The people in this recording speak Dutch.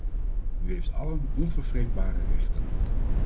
U heeft allen onvervreemdbare rechten.